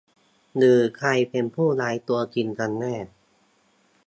หรือใครเป็นผู้ร้ายตัวจริงกันแน่